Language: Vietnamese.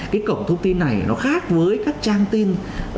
cái cổng thông tin này nó khác với các trang tin